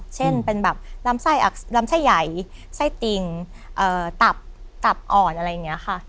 เช่นเป็นแบบลำไส้อักลำไส้ใหญ่ไส้ติ่งตับตับอ่อนอะไรอย่างนี้ค่ะ